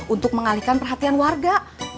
untuk mengalihkan perhatian warga